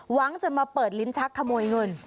หวังจะมาเปิดลิ้นชักขโมยเงิน